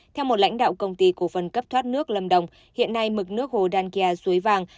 theo một lãnh đạo công ty cổ phần cấp thoát nước lâm đồng hiện nay mực nước hồ đan kia suối vàng